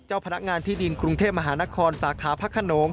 พนักงานที่ดินกรุงเทพมหานครสาขาพระขนง